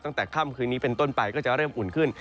ตั้งแต่ค่ำคืนนี้เป็นต้นไปก็จะเริ่มอุ่นขึ้น